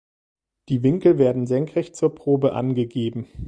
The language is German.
Die Winkel werden senkrecht zur Probe angegeben.